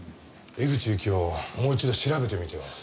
江口ゆきをもう一度調べてみては？